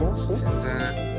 全然。